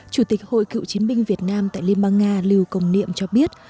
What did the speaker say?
chủ tịch hội cựu chiến binh việt nam tại liên bang nga lưu công niệm cho biết